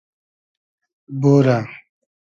بورۂ